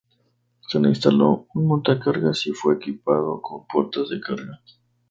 Se le instaló un montacargas y fue equipado con puertas de carga.